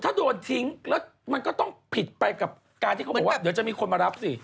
ถ้าโดนทิ้งแล้วมันก็ต้องผิดไปกับการที่เขาบอกว่าเดี๋ยวจะมีคนมารับสิ